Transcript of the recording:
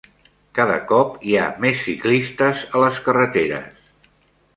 Cada cop hi ha més ciclistes a les carreteres.